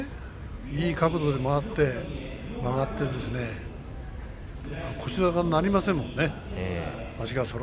いい角度で曲がって腰高になりませんからね。